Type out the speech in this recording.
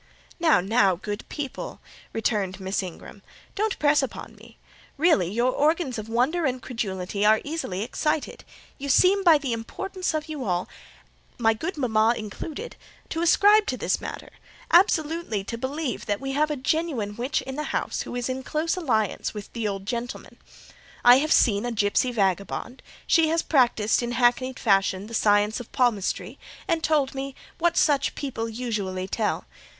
"Now, now, good people," returned Miss Ingram, "don't press upon me. Really your organs of wonder and credulity are easily excited: you seem, by the importance of you all—my good mama included—ascribe to this matter, absolutely to believe we have a genuine witch in the house, who is in close alliance with the old gentleman. I have seen a gipsy vagabond; she has practised in hackneyed fashion the science of palmistry and told me what such people usually tell.